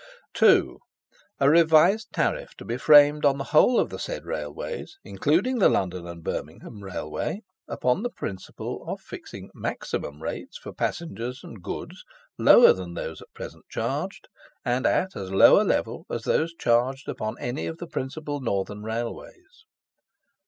2. A revised tariff to be framed for the whole of the said Railways, including the London and Birmingham Railway, upon the principle of fixing maximum rates for passengers and goods lower than those at present charged, and at as low a level as those charged upon any of the principal Northern Railways.